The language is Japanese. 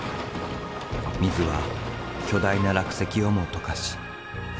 水は巨大な落石をも溶かし更に拡大。